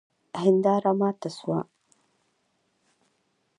هنداره ماته سوه